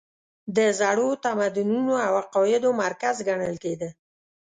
د زړو تمدنونو او عقایدو مرکز ګڼل کېده.